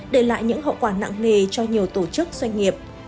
để lại những hậu quả nặng nề cho nhiều tổ chức doanh nghiệp